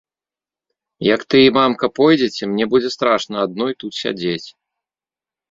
Як ты і мамка пойдзеце, мне будзе страшна адной тут сядзець.